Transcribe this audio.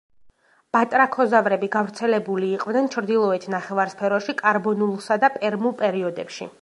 ბატრაქოზავრები გავრცელებული იყვნენ ჩრდილოეთ ნახევარსფეროში კარბონულსა და პერმულ პერიოდებში.